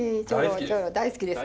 大好きです。